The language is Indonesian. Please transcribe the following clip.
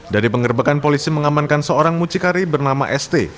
dari penggerebekan polisi mengamankan seorang mucikari bernama este